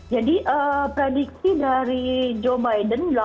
jadi prediksi dari joe biden